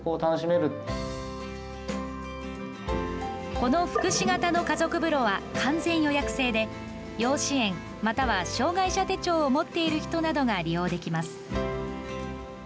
この福祉型の家族風呂は完全予約制で要支援または障がい者手帳を持っている人などが利用できます。